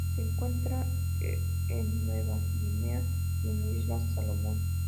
Se encuentra en Nueva Guinea y en las Islas Salomón.